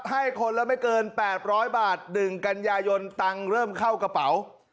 ให้คนละไม่เกิน๘๐๐บาท๑กันยายนตังค์เริ่มเข้ากระเป๋า